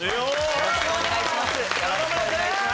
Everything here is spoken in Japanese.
よろしくお願いします。